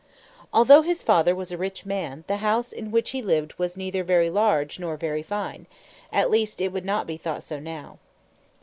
Although his father was a rich man, the house in which he lived was neither very large nor very fine at least it would not be thought so now.